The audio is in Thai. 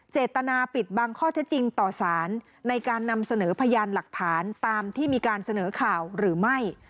เจตนาปิดบังข้อเท็จจริงต่อสารในการนำเสนอพยานหลักฐานตามที่มีการเสนอข่าวหรือไม่